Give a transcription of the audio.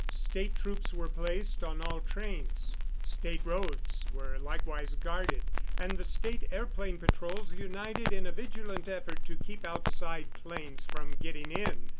State troops were placed on all trains, State roads were likewise guarded, and the State airplane patrols united in a vigilant effort to keep outside planes from getting in.